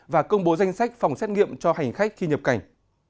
và công bố danh sách phòng xét nghiệm cho hành khách khi nhập cảnh